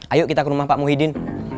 ayo kita ke rumah pak muhyiddin